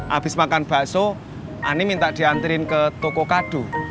abis makan bakso ani minta dianterin ke toko kado